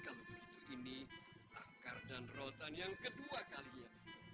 kalau begitu ini akar dan rotan yang kedua kalinya